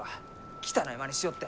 汚いマネしよって！